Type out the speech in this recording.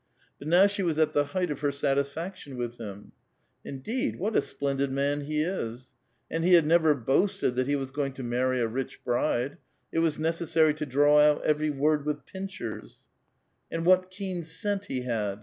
But now she was at the height of her satisfaction with him. "Indeed, what a splendid man he is! And he had never boasted that he was going to marry a rich bride ; it was necessary to draw out every word with pincers I And 7S A VITAL QUESTION. what keen Rcent he had